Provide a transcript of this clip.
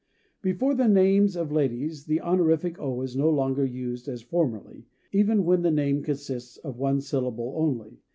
Before the names of ladies, the honorific "O" is no longer used as formerly, even when the name consists of one syllable only.